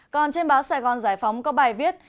còn trên báo sài gòn giải phóng có bài viết